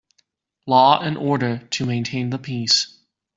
Law and order to maintain the peace.